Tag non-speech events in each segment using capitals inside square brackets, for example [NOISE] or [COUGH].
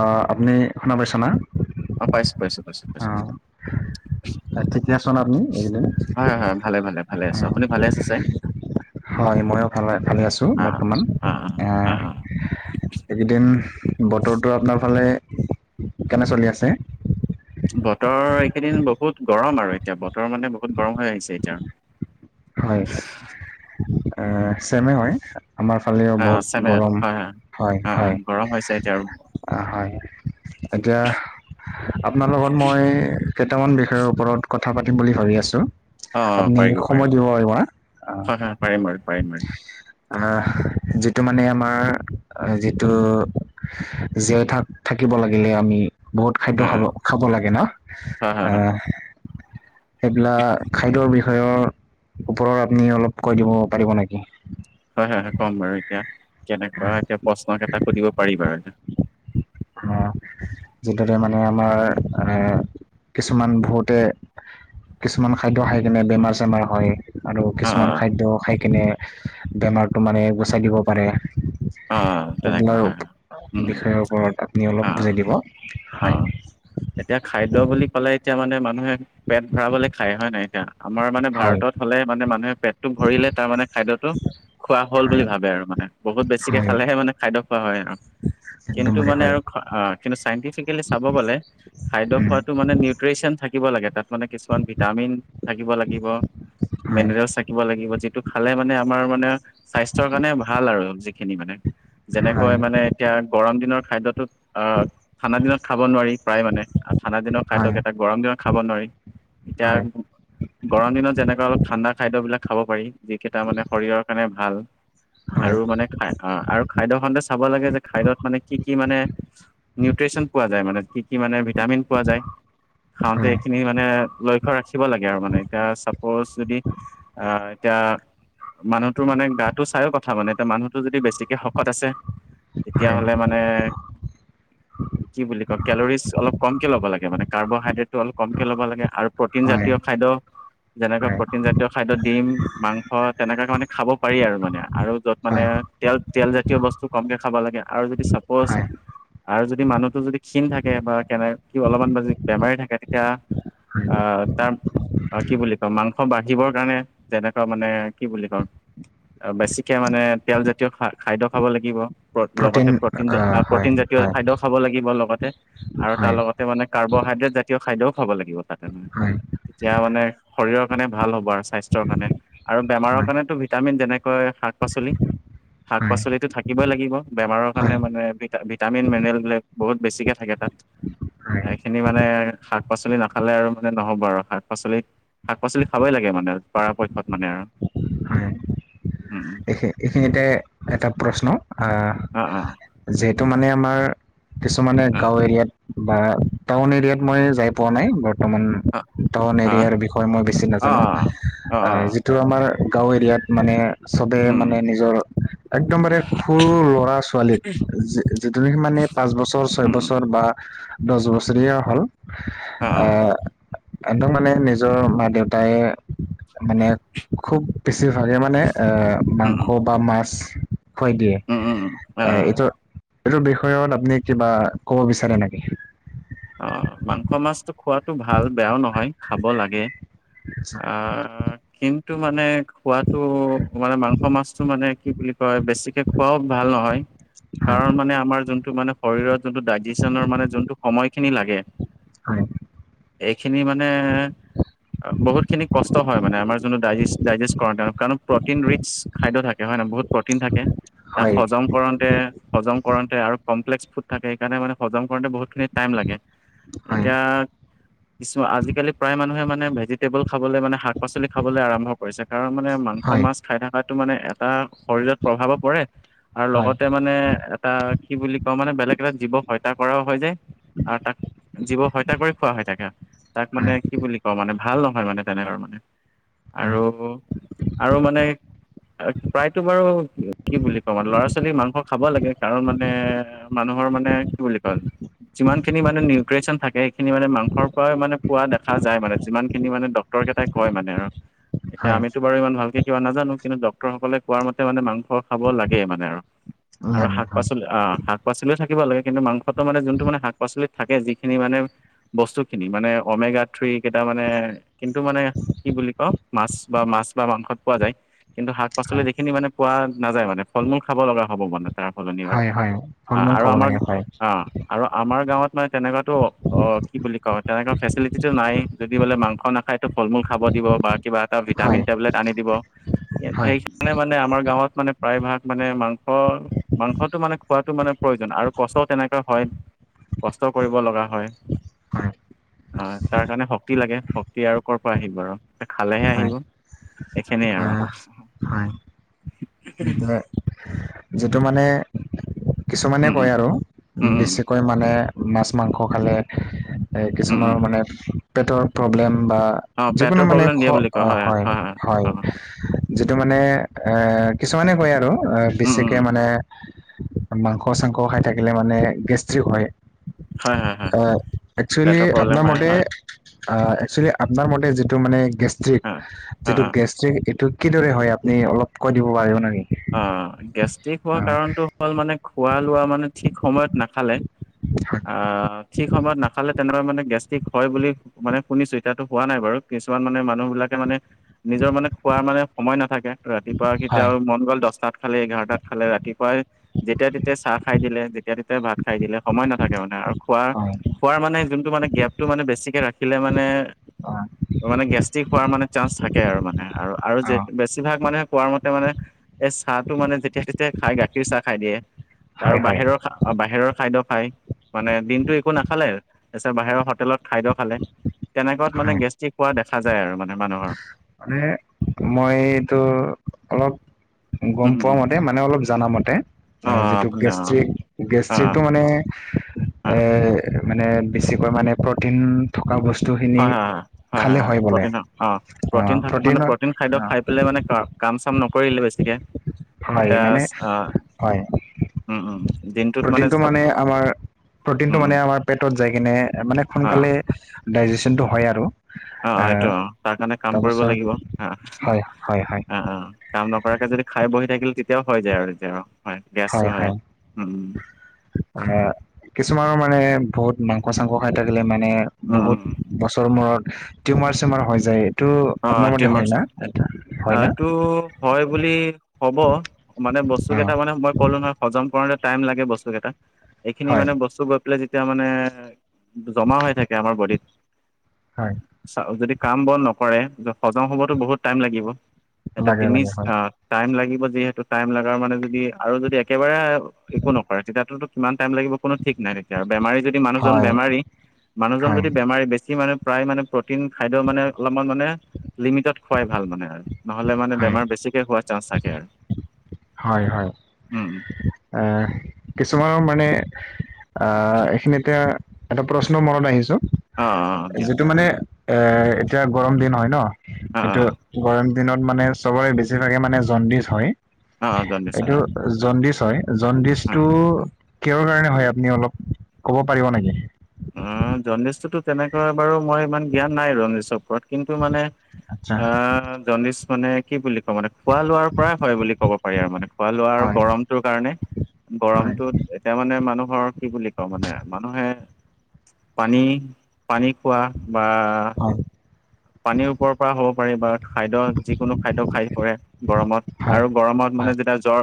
অ' আপুনি শুনা পাইছানা? অ' পাইচো-পাইচো-পাইচো পাইচো। বা ঠিক আছনে আপুনি এইকেদিন? হয় হয় ভালে ভালে ভালে আছো, আপুনি ভালে আছে চাই হয় মইয়ো ভালে ভালে আছো অ বৰ্তমান অ অ এ, অ অ এইকেইদিন বতৰটো আপোনাৰ ফালে কেনে চলি আছে? বতৰ এইকেইদিন বহুত গৰম আৰু এতিয়া বতৰ মানে বহুত গৰম হৈ আহিছে এতিয়া। এ, চেমে হয়। আমাৰ ফালেও অ বহুত চামে গৰম হয় হয়, অ অ হয় গৰম হৈছে এতিয়া আৰু আ, হয়। এতিয়া আপোনাৰ লগত মই কেইটামান বিষয়ৰ ওপৰত কথা পাতিম বুলি ভাবি আছো। অ অ আপুনি পাৰিব সময় দিব পাৰিব না? অ' হয় হয় হয় পাৰিম বাৰু পাৰিম পাৰিম। আহ যিটো মানে আমাৰ যিটো। জীয়াই থাক থাকিব লাগিলে আমি। বহুত খাদ্য অ খাব খাব লাগে ন অ হয় হয় এ। সেইবিলাক খাদ্যৰ বিষয়ৰ ওপৰত আপুনি অলপ কৈ দিব পাৰিব নেকি। হয় হয় হয় ক'ম বাৰু এতিয়া কেনেকুৱা এতিয়া প্ৰশ্নকেইটা সুধিব পাৰি বাৰু এয়া। অ যিটোৰে মানে আমাৰ এ। কিছুমান বহুতে কিছুমান খাদ্য খাই কিনে বেমাৰ- চেমাৰ হয়। আৰু অ কিছুমান খাদ্য খাই কিনে বেমাৰটো মানে গুচাই দিব পাৰে। অ অ তেনেকুৱা হয় সেইবিলাক হয় উম উম বিষয়ৰ ওপৰত আপুনি অলপ অ বুজাই দিব। অ অ হয়। এতিয়া খাদ্য বুলি ক'লে এতিয়া মানে মানুহে পেট ভৰাবলৈ খায় হয় নাই এতিয়া আমাৰ মানে হয় ভাৰতত। হ'লে মানে মানুহে পেটটো ভৰিলে তাৰ মানে খাদ্যতো খোৱা হ'ল হয় বুলি ভাবে আৰু মানে বহুত বেছি। বেছিকে হয় খালেহে মানে খাদ্য খোৱা হয় আৰু কিন্তু একদমবাৰে মানে হয় আৰু অ। কিন্তু চাইণ্টিফিকেলি চাব গ'লে খাদ্য উম খোৱাাতটো মানে নিউট্ৰিচিয়ন থাকিব লাগে তাত। মানে কিছুমান ভিটামিন থাকিব লাগিব হয় মীনাৰেলছ থাকিব লাগিব যিটো। খালে মানে আমাৰ মানে স্বাস্থ্যৰ কাৰণে ভাল আৰু যিখিনি মানে। হয় যেনেকৈ মানে এতিয়া গৰম দিনৰ খাদ্যটোত আহ। ঠাণ্ডা দিনত খাব নোৱাৰি প্ৰায় মানে আৰু ঠাণ্ডা দিনৰত খাদ্য হয় কেইটা গৰম দিনত খাব নোৱাৰি। এতিয়া হয় গৰম দিনত যেনেকুৱা অলপ ঠাণ্ডা খাদ্যবিলাক খাব পাৰি। যিকেইটা মানে শৰীৰৰ কাৰণে ভাল হয় আৰু মানে। খাই অ আৰু খাদ্য খাওঁতে চাব লাগে যে খাদ্যত মানে কি কি মানে। নিউট্ৰিচন পোৱা যায় মানে কি কি মানে ভিটামিন পোৱা যায় খাওঁতে হয় এইখিনি। মানে লক্ষ্য ৰাখিব লাগে আৰু মানে এতিয়া চাপ'জ যদি আহ এতিয়া। মানুহটোৰ মানে গাটো চাইয়ো কথা মানে এয়া মানুহতো যদি বেছিকে শকত আছে তেতিয়া হ'লে মানে। মানে। অ। কি বুলি কয় কেলৰিজ অলপ কমকে ল'ব লাগে মানে কাৰ্বহাইড্ৰেটটো অলপ কমকে ল'ব লাগে আৰু প্ৰটিন হয় জাতীয় খাদ্য। যেনেকা হয় প্ৰটিন জাতীয় খাদ্য দিম মাংস তেনেকুৱাকে মানে খাব পাৰি আৰু মানে আৰু য'ত হয় মানে। তেল তেল জাতীয় বস্তু কমকে খাব লাগে আৰু যদি চাপ'জ। হয় আৰু যদি মানুহতটো যদি ক্ষীণ থাকে বা কেনে অলপমান বেমাৰী থাকে তেতিয়া। হয় অ তাৰ। আৰু কি বুলি কম মাংস বাঢ়িবৰ কাৰণে যেনেকুৱা মানে কি বুলি কম। বেছিকে মানে তেলজাতীয় খা খাদ্য খাব লাগিব। লগতে প্ৰটিন আহ, হয় প্ৰটিন জাতীয় হয় খাদ্য খাব লাগিব লগতে আৰু তাৰ হয় লগত। মানে কাৰ্বহাইড্ৰেট জাতীয় খাদ্যও খাব লাগিব তাতে। মানে হয়। তেতিয়া মানে শৰীৰৰ কাৰণে ভাল হ'ব আৰু স্বাস্থ্যৰ কাৰণে। আৰু বেমাৰৰ কাৰণটো ভিটামিন যেনেকৈ শাক পাচলি। শাক হয় পাচলিটো থাকিবই লাগিব বেমাৰৰ হয় কাৰণে মানে ভি ভিটামিন মিনাৰেল বিলাক বহুত বেছিকৈ থাকে তাত। হয় এইখিনি মানে শাক পাচলি নাখালে আৰু মানে নহ'ব আৰু শাক পাচলি। শাক পাচলি খাবই লাগে মানে পৰাপক্ষত মানে আৰু হয় উম। এইখিনিতে এটা প্ৰশ্ন আহ অ অ যিহেতু মানে আমাৰ। কিছুমানে গাঁও এৰিয়াত বা টাউন এৰিয়াত মই যাই পোৱা নাই বৰ্তমান। অ টাউন অ অ এৰিয়াৰ বিষয়ে মই বেছি নাজানো আ যি। টো আমাৰ গাঁও এৰিয়াত মানে। চবে মানে নিজৰ একদমবাৰে সৰু ল'ৰা ছোৱালীত যিটোনেকি মানে। পাঁচ বছৰ ছয় বছৰ বা দহ বছৰেীয়া হ'ল আহ। একদম মানে নিজৰ মা দেউতাই মানে খুব বেছিভাগে মানে। এ মাংস বা মাছ খুৱাই দিয়ে এইটো। এইটো বিষয়ত আপুনি কিবা কব বিচাৰে নেকি? অ মাংস মাছটো খোৱাতো ভাল বেয়াও নহয় খাব লাগে। অ। কিন্তু মানে খোৱাটো মানে মাংস মাছটো মানে কি বুলি কয় বেছিকে। খোৱাও ভাল নহয় হয় কাৰণ মানে আমাৰ যোনটো মানে। শৰীৰত যোনটো ডাইজেছনৰ মানে যোনটো সময়খিনি লাগে। হয়। এইখিনি মানে। বহুতখিনি কষ্ট হয় মানে আমাৰ যোনটো ডাইজে ডাইজেষ্ট কৰা কাৰণ প্ৰটিন ৰিটচ। খাদ্য থাকে হয় নহয় বহুত প্ৰটিন থাকে তাক হয় হজম কৰণ। হজম কৰোতে আৰু কমপ্লেক্স ফুড থাকে সেইকাৰণে মানে হজম কৰোতে বহুত খিনি টাইম লাগে। হয় এতিয়া কিছু আজিকালি প্ৰায় মানুহে মানে ভেজি। টেবুল খাবলৈ মানে শাক পাচলি খাবলৈ আৰম্ভ কৰিছে কাৰণ মানে মাংস মাছ খাই থকাটো মানে এটা শৰীৰত প্ৰভাৱো পৰে আৰু হয় লগতে মানে এটা কি বুলি কও মানে বেলেগ এটা জীৱক হত্যা কৰাও হয় যায়। আৰু তাক জীৱ হত্যা কৰি খোৱা হয় তাকে তাক মানে কি বুলি কও মানে ভাল নহয় মানে তেনে ধৰ মানে আৰু আৰু মানে প্ৰায়তো বাৰু কি বুলি কম মানে ল'ৰা ছোৱালী মাংস খাব লাগে কাৰণ মানে মানুহৰ মানে কি বুলি কয় যিমান খিনি মানে নিউট্ৰিচন থাকে সেইখিনি মানে মাংসৰ পৰাই মানে পোৱা দেখা যায় মানে যিমান খিনি মানে ডক্তৰ কেইটাই কয় মানে আৰু এতিয়া হয় হয় আমিতো বাৰু ইমান ভালকে কিবা নাজানো কিন্তু ডক্তৰসকলে কোৱা মতে মানে মাংস খাব লাগে মানে আৰু। আৰু হয় শাক লাগে পাচলি আহ শাক পাচলিও থাকিব লাগে কিন্তু মাংসটো মানে যোনটো মানে শাক পাচলিত থাকে যিখিনি মানে বস্তু খিনি মানে অমেগা থ্ৰী কেইটা মানে কিন্তু মানে কি বুলি কওঁ মাছ বা মাছ বা মাংসত পোৱা যায়। কিন্তু শাক পাচলিত হয় হয় সেখিনি মানে পোৱা নাযায় মানে ফল মূল খাব লগা হ'ব মানে। তাৰ সলনি ব আৰু হয় হয় ফল অ মূল আৰু খাব আমাৰ লাগে হয় অ আৰু আমাৰ গাঁৱত মানে তেনেকুৱাতো অ কি বুলি কয় তেনেকুৱা ফেচিলিটিটো নাই যদি বোলে মাংস মাংস নাখায়টো ফল মূল খাব দিব বা কিবা এটা ভিটামিন হয় টেবলেট আনি দিব। হয় সেইকাৰণে মানে আমাৰ গাঁৱত মানে প্ৰায় ভাগ মানে মাংস মাংসটো মানে খোৱাটো মানে প্ৰয়োজন আৰু কচুও তেনেকুৱা হয়। কষ্টও কৰিব লগা হয় হয় আহ তাৰ কাৰণে শক্তি লাগে। শক্তি আৰু ক'ৰ পৰা আহিব আৰু এ খালেহে হয় আহিব এইখিনিই আৰু। আহ হয় ইটো ধৰা যিটো মানে কিছুমানে উম উম কয় আৰু উম উম বেছিকৈ মানে মাছ মাংস খালে উম কিছুমান উম মানে পেটৰ প্ৰব্লেম বা অ যিকোনো পেটৰ মানে প্ৰব্লেম দিয়ে বুলি কয় হয় হয়। অ যিটো মানে এ কিছুমানে কয় আৰু উম বেছিকে উম মানে মাংস চাংস খাই থাকিলে মানে গেষ্ট্ৰিক হয়। হয় হয় হয় আহ একচুৱেলি পেটৰ প্ৰব্লেম আপোনাৰ হয় মতে হয় অ একচুৱেলি আপোনাৰ মতে যিটো মানে গেষ্ট্ৰিক হয় অ যিটো অ গেষ্ট্ৰিক এইটো কিদৰে হয় আপুনি অলপ কৈ দিব পাৰিব নেকি? অ গেষ্ট্ৰিক অ হোৱা কাৰণটো হ'ল মানে খোৱা লোৱা মানে ঠিক সময়ত নাখালে। ঠিক সময়ত নাখালে তেনেকা মানে গেষ্ট্ৰিক হয় বুলি মানে শুনিছো এতিয়াতো হোৱা নাই বাৰু কিছুমান মানে মানুহ বিলাকে মানে নিজৰ মানে খোৱাৰ মানে সময় নাথাকে ৰাতিপুৱা হয় কেতিয়াও মন গ'ল দহটাত খালে এঘাৰটাত খালে ৰাতিপুৱাই যেতিয়াই তেতিয়াই চাহ খাই দিলে যেতিয়া তেতিয়া ভাত খাই দিলে সময় নাথাকে মানে আৰু খোৱাৰ হয় খোৱাৰ মানে যোনটো মানে গেপটো মানে বেছিকৈ ৰাখিলে মানে অ। মানে গেষ্ট্ৰিক হোৱাৰ মানে চান্স থাকে, আৰু মানে আৰু অ আৰু বেছিভাগ মানে কোৱা মতে মানে এই চাহটো মানে যেতিয়াই তেতিয়াই খাই গাখীৰ চাহ খাই দিয়ে আৰু হয় হয় বাহিৰৰ আৰু বাহিৰৰ খাদ্য খায় মানে, দিনটো একো নাখালে তাৰপিছত বাহিৰৰ হোটেলত খাদ্য খালে তেনেকুৱাত মানে হয় গেষ্টিক হোৱা দেখা যায় আৰু মানে মানুহৰ। মানে মই এইটো অলপ গম উম উম পোৱা উম মতে মানে অলপ জনা মতে অ যিটো আপুনি অ গেষ্টিক অ গেষ্টিকটো মানে অ এ মানে, বেছিকৈ মানে প্ৰটিন থকা বস্তুখিনি খালে হয় বোলে। অ, প্ৰটিন থাকে মানে প্ৰটিনত প্ৰটিন অ খাদ্য খাই পেলাই মানে কা কাম-চাম নকৰিলে বেছিকে। হয় এতিয়া মানে অ হয়, উম উম দিনটোত প্ৰটিনটো মানে আমাৰ উম প্ৰটিনটো উম মানে আমাৰ পেটত যাই কিনে মানে অ সোনকালে ডাইজেচনটো হয় আৰু। অ আহ হয়টো অ তাৰ কাৰণে কাম কৰিব তাৰপাছত লাগিব, অ, হয় হয় হয় অ অ। কাম নকৰাকে যদি খাই বহি থাকিল তেতিয়াও হৈ যায় আৰু এতিয়া হয় গেছো হয়, উম। হা, কিছুমানৰ মানে বহুত মাংস - চাংস খাই থাকিলে মানে উম বহুত উম বছৰ মূৰত টিউমাৰ - চিউমাৰ হৈ যায়। এইটো অ আপোনাৰ মতে হয় টিউমাৰ্চ না এটা হয় অ, না এইটো হয় বুলি কব মানে বস্তু অ কেইটা মানে মই ক'লো নহয়, হজম কৰোতে টাইম লাগে বস্তুকেইটা, এইখিনি হয় মানে বস্তু বিলাক যেতিয়া মানে জমা হৈ থাকে আমাৰ বডিত হয়। চাও যদি কাম - বন নকৰে ত হজম হ'বতো বহুত টাইম লাগিব এতিয়া লাগে তিনি লাগে হয় আ টাইম লাগিব যিহেতু টাইম লগাৰ মানে যদি আৰু যদি একেবাৰে একো নকৰে তেতিয়াটোতো কিমান টাইম লাগিব কোনো ঠিক নাই। [UNINTELLIGIBLE] বেমাৰী যদি মানুহজন হয় বেমাৰী, মানুহজন হয় যদি বেমাৰী বেছি মানে প্ৰায় মানে প্ৰটিন খাদ্য মানে অলপমান মানে লিমিটত খুৱাই ভাল মানে নহলে মানে হয় বেমাৰ বেছিকে হোৱা চাঞ্চ থাকে। হয় হয়, উম আ কিছুমানৰ মানে আহ এইখিনিতে এটা প্ৰশ্ন মনত আহিছো। অ অ দিয়ক যিটো মানে, এ এতিয়া গৰম দিন হয় ন অ সেইটো অ গৰম দিনত মানে চবৰে বেছিভাগে মানে জণ্ডিছ হয়। অ জণ্ডিছ হয়। অ জণ্ডিছ হয়, জণ্ডিছটো কিহৰ কাৰণে হয় আপুনি অলপ ক'ব পাৰিব নেকি? অ জণ্ডিছটোতো তেনেকৈ বাৰু মই ইমান জ্ঞান নাই জণ্ডিছ ওপৰত কিন্তু মানে আচ্ছা আ জাণ্ডিচ মানে কি বুলি কম মানে খোৱা-লোৱাৰ পৰাই হয় বুলি ক'ব পাৰি আৰু মানে খোৱা লোৱাৰ হয় গৰম ত কাৰণে হয় গৰমটোত এতিয়া মানে মানুহৰ কি বুলি কওঁ মানে মানুহে পানী, পানী খোৱা বা [INAUDIBLE] পানীৰ ওপৰৰ পৰা হ'ব পাৰে বা খাদ্য যিকোনো খাদ্য খায় পৰে গৰমত। হয় আৰু গৰমত মানে হয় যেতিয়া জ্বৰ,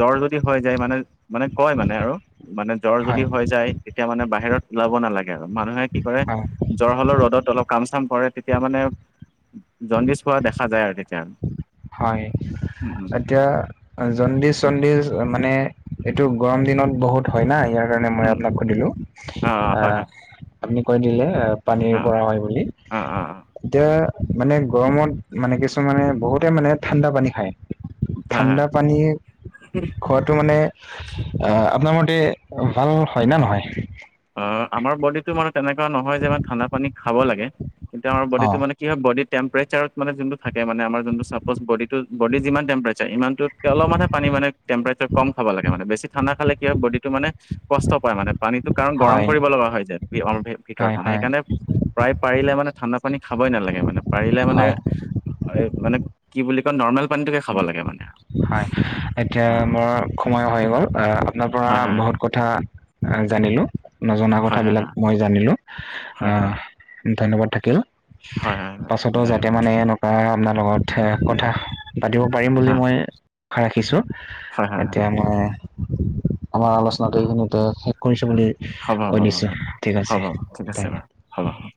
জ্বৰ যদি হৈ যায় মানে মানে কয় মানে আৰু মানে জ্বৰ যদি হয় হৈ যায় তেতিয়া মানে বাহিৰত ওলাব নালাগে আৰু মানুহে কি কৰে, হয় জ্বৰ হলত ৰ'দত অলপ কাম - চাম কৰে তে তিয়া মানে জণ্ডিছ পোৱা দেখা যায় আৰু তেতিয়া। হয় উম উম এতিয়া অ জণ্ডিচ - চণ্ডিছ মানে এইটো গৰম দিনত বহুত হয় না ইয়াৰ কাৰনে মই উম আপোনাক কৈ দিলো, অ আ হয় হয় আপুনি কৈ দিলে পানীৰ অ পৰা হয় বুলি। অ অ অ এতিয়া মানে গৰমত মানে কিছুমানে বহুত তে মানে ঠাণ্ডা পানী খায়, হয় হয় ঠাণ্ডা পানী খোৱাটো মানে আহ আপোনাৰ মতে ভাল হয় নে নহয়? অ, আমাৰ বডিটো মানে তেনেকুৱা নহয় যে মানে ঠাণ্ডা পানী খাব লাগে কিন্তু আমাৰ অ বডিটো মানে কি হয় বডিৰ টেম্পেৰেচাৰত মানে যোনটো থাকে মানে আমাৰ যোনটো চাপ'জ বডিটো বডি যিমান টেম্প্ৰেচাৰ ইমানটো তে অলপমানে পানী মানে টেম্প্ৰেচাৰ কম খাব লাগে মানে বেছি ঠাণ্ডা খালে কি হয় বডিটো মানে কষ্ট পায় মানে পানীটো কাৰণ গৰম হয় কৰিব লগা হয় যে সি অংগে ভিতৰত হয় মানে হয় সেইকাৰণে প্ৰায় পাৰিলে মানে ঠাণ্ডা পানী খাবই নালাগে মানে পাৰিলে মানে হয় মানে কি বুলি কয় নৰ্মেল পানীটোকে খাব লাগে মানে হয় এতিয়া অ', মোৰ সময় হৈ গ'ল আ। ন পৰা হয় হয় বহুত কথা আ জানিলো নজনা হয় হয় কথাবিলাক হয় মই জানিলো হয় হয় আহ ধন্যবাদ থাকিল হয় হয় পাছতো হয় যাতে ধন্যবাদ মানে আ আপোনাৰ লগত কথা পাতিব পাৰিম বুলি হয় মই আশা ৰাখিছো। হয় হয় হয় এতিয়া মই এ আমাৰ আলোচনাটো এইখিনিতে কৰিছোঁ বুলি হ'ব হ'ব কৈ দিছোঁ ঠিক আছে ঠেংক হব হয়।